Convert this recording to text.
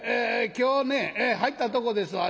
今日ね入ったとこですわ。